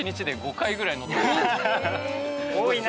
多いな。